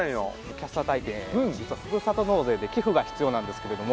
キャスター体験ふるさと納税で寄付が必要なんですけれども。